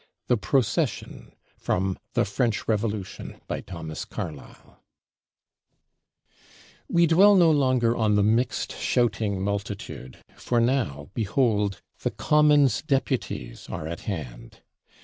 THE PROCESSION From 'The French Revolution' We dwell no longer on the mixed shouting Multitude, for now, behold, the Commons Deputies are at hand!